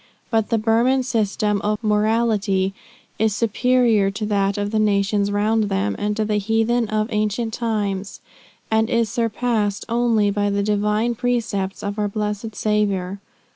But the Burman system of morality is superior to that of the nations round them, and to the heathen of ancient times, and is surpassed only by the divine precepts of our blessed Saviour.